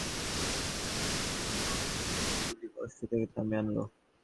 তখন সম্রাট তাঁকে মুক্ত করে শূলীকাষ্ঠ থেকে নামিয়ে আনল।